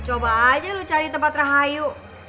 coba aja lu cari tempat rahayu